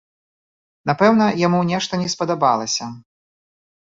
Напэўна, яму нешта не спадабалася.